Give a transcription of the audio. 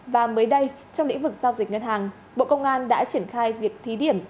và mới đây trong lĩnh vực giao dịch ngân hàng bộ công an đã triển khai việc thí điểm